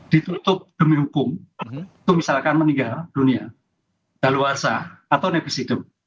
ditutup demi hukum itu misalkan meninggal dunia daluasa atau nepis hidung